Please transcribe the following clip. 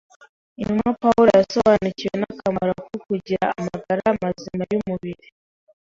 Intumwa Pawulo yasobanukiwe n’akamaro ko kugira amagara mazima y’umubiri